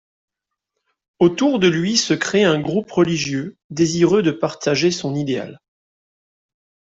Autour de lui se crée un groupe de religieux, désireux de partager son idéal.